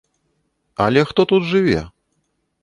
Але хто тут жыве?